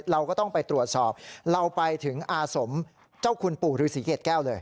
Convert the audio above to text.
เราก็ต้องไปตรวจสอบเราไปถึงอาสมเจ้าคุณปู่ฤษีเกรดแก้วเลย